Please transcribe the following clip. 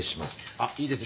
あっいいですよ。